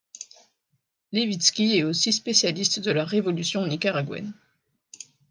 Levitsky est aussi spécialiste de la révolution nicaraguayenne.